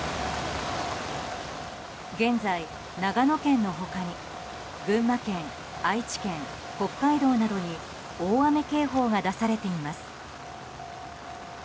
現在、長野県の他に群馬県、愛知県、北海道などに大雨警報が出されています。